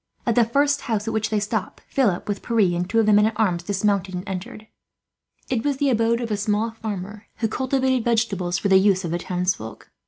At the first house at which they stopped, Philip, with Pierre and two of the men at arms, dismounted and entered. It was the abode of a small farmer, who cultivated vegetables for the use of the townsfolk.